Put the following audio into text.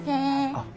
あっ。